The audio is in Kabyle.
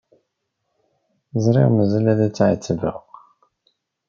Ẓriɣ mazal ad ɛettbeɣ.